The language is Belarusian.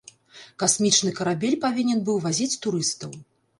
Касмічны карабель павінен быў вазіць турыстаў.